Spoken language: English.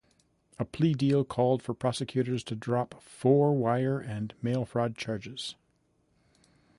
A plea deal called for prosecutors to drop four wire and mail fraud charges.